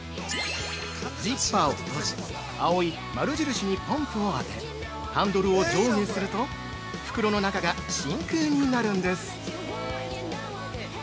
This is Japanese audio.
ジッパーを閉じ、青い丸印にポンプを当てハンドルを上下すると、袋の中が真空になるんです！